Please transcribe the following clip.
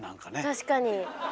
確かに。